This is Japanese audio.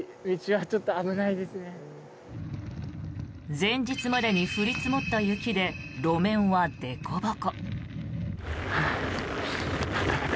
前日までに降り積もった雪で路面はでこぼこ。